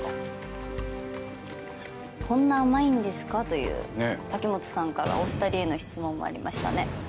こんな甘いんですかという滝本さんからお二人への質問もありましたね。